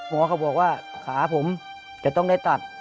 เขาบอกว่าขาผมจะต้องได้ตัด